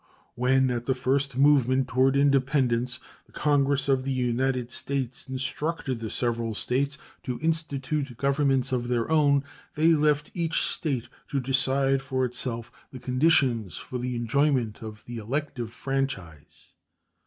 When, at the first movement toward independence, the Congress of the United States instructed the several States to institute governments of their own, they left each State to decide for itself the conditions for the enjoyment of the elective franchise.